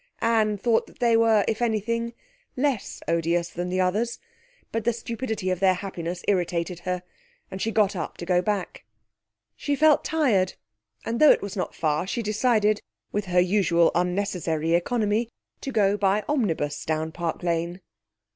Anne thought that they were, if anything, less odious than the others, but the stupidity of their happiness irritated her, and she got up to go back. She felt tired, and though it was not far, she decided, with her usual unnecessary economy, to go by omnibus down Park Lane.